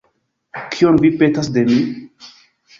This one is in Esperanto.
Kion vi petas de mi?